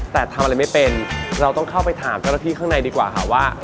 แต่ทำอะไรไม่เป็นเราต้องเข้าไปถามเจ้าหน้าที่ข้างในดีกว่าค่ะว่า